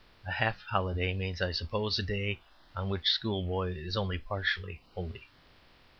A half holiday means, I suppose, a day on which a schoolboy is only partially holy.